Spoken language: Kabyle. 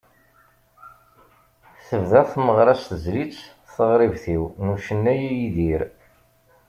Tebda tmeɣra s tezlit “Taɣribt-iw” n ucennay Idir.